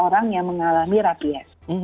orang yang mengalami rakyat